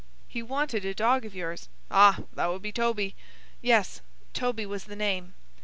"He wanted a dog of yours." "Ah! that would be Toby." "Yes, Toby was the name."